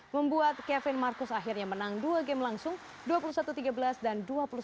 membuat kevin marcus akhirnya menang dua game langsung dua puluh satu tiga belas dan dua puluh satu sembilan belas